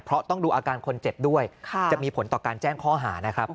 เพราะต้องดูอาการคนเจ็บด้วยจะมีผลต่อการแจ้งข้อหานะครับ